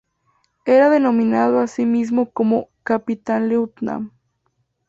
Era denominado asimismo como "kapitänleutnant".